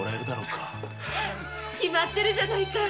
決まってるじゃないか。